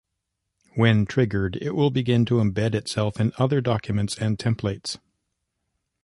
When triggered, it will begin to embed itself in other documents and templates.